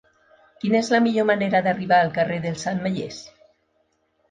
Quina és la millor manera d'arribar al carrer dels Ametllers?